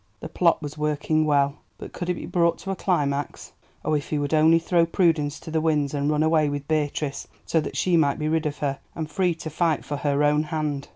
The plot was working well, but could it be brought to a climax? Oh, if he would only throw prudence to the winds and run away with Beatrice, so that she might be rid of her, and free to fight for her own hand.